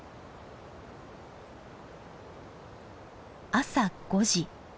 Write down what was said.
朝５時。